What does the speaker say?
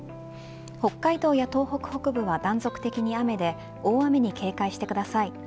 北海道や東北北部は断続的に雨で大雨に警戒してください。